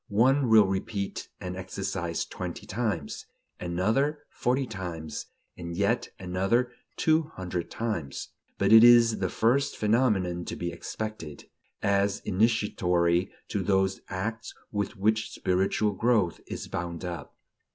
One will repeat an exercise twenty times, another forty times, and yet another two hundred times; but this is the first phenomenon to be expected, as initiatory to those acts with which spiritual growth is bound up.